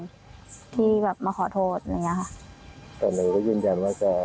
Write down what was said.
มีการขอโทษกัน